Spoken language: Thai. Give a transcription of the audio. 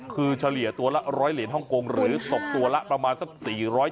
คือเฉลี่ยตัวละ๑๐๐เหรียญฮ่องกงหรือตกตัวละประมาณสัก๔๐๐